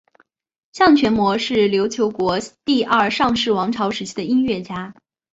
向全谟是琉球国第二尚氏王朝时期的音乐家。